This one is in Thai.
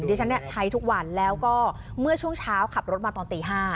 ดิฉันใช้ทุกวันแล้วก็เมื่อช่วงเช้าขับรถมาตอนตี๕